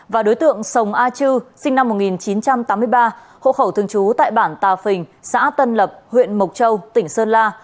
và đối tượng sông a chư sinh năm một nghìn chín trăm tám mươi ba hộ khẩu thường trú tại bản tà phình xã tân lập huyện mộc châu tỉnh sơn la